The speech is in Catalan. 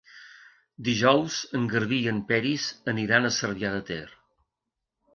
Dijous en Garbí i en Peris aniran a Cervià de Ter.